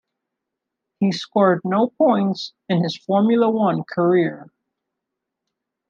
He scored no points in his Formula One career.